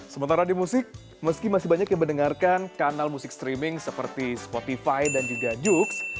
sementara di musik meski masih banyak yang mendengarkan kanal musik streaming seperti spotify dan juga jokes